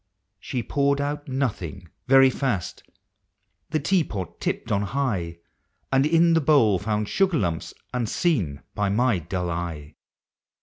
She poured out nothing, very fast — the tea pot tipped on high, — And in the bowl found sugar lumps unseen by my dull eve.